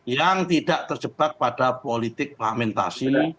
yang tidak terjebak pada politik fragmentasi